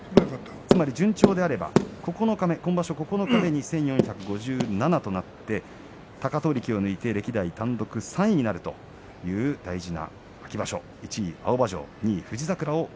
つまり順調だけど今場所九日目に１４５７となって貴闘力を抜いて歴代単独３位になるという大事な場所。